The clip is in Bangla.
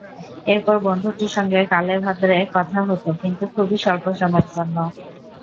এরপর বন্ধুটির সঙ্গে কালে ভাদ্রে কথা হতো কিন্তু খুবই স্বল্প সময়ের জন্য।